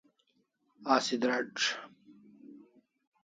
Asi drac'